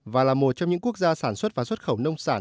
và là một trong những quốc gia sản xuất và xuất khẩu nông sản